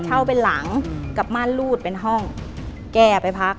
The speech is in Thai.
เช่าเป็นหลังกับม่านรูดเป็นห้องแก้ไปพัก